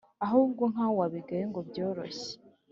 ahubwo nk’aho wabigaye ngo byoroshye